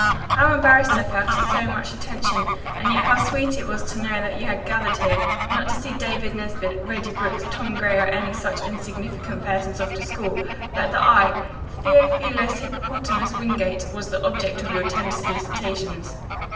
"How embarrassed I felt at so much attention, and yet how sweet it was to know that you had gathered here, not to see David Nesbit, Reddy Brooks, Tom Gray or any such insignificant persons off to school, but that I, Theophilus Hippopotamus Wingate, was the object of your tender solicitations."